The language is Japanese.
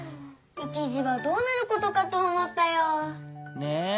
いちじはどうなることかとおもったよ。ね。